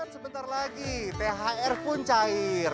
sebentar lagi thr pun cair